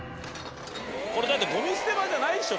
これだってゴミ捨て場じゃないでしょ